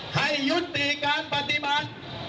ให้ยุติการปฏิบัติ